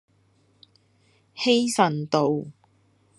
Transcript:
希慎道